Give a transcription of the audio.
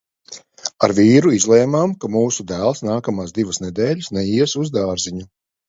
Ar vīru izlēmām, ka mūsu dēls nākamās divas nedēļas neies uz dārziņu.